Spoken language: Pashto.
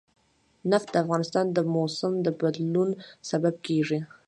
نفت د افغانستان د موسم د بدلون سبب کېږي.